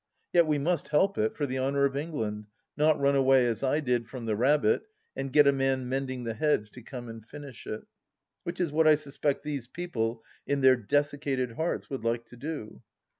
Yet we must help it, for the honour of England ; not run away as I did from the rabbit and get a man mending the hedge to come and finish it ... which is what I suspect these people in their desiccated hearts would like to do